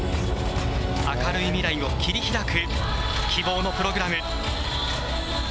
明るい未来を切り開く希望のプログラム。